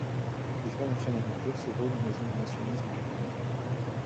Les femmes apprennent à remplir ce rôle en raison du nationalisme japonais.